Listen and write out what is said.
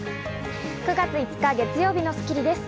９月５日、月曜日の『スッキリ』です。